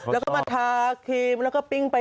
แล้วก็มาทาครีมแล้วก็ปิ้งไป